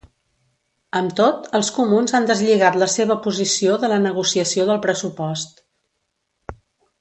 Amb tot, els comuns han deslligat la seva posició de la negociació del pressupost.